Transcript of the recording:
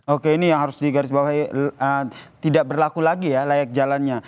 oke ini yang harus digarisbawahi tidak berlaku lagi ya layak jalannya